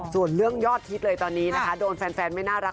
ส่วนเรื่องยอดฮิตเลยตอนนี้นะคะโดนแฟนไม่น่ารัก